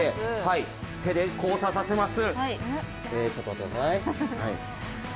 手で交差させます。